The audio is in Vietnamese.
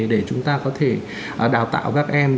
để chúng ta có thể đào tạo các em